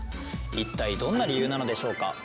一体どんな理由なのでしょうか？